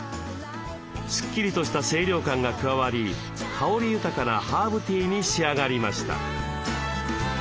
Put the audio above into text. すっきりとした清涼感が加わり香り豊かなハーブティーに仕上がりました。